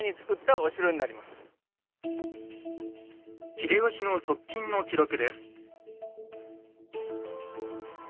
秀吉の側近の記録です。